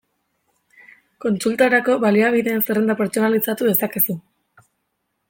Kontsultarako baliabideen zerrenda pertsonalizatu dezakezu.